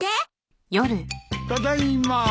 ただいま。